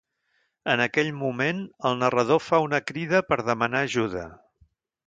En aquell moment, el narrador fa una crida per demanar ajuda.